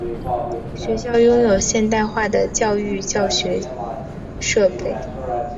学校拥有现代化的教育教学设备。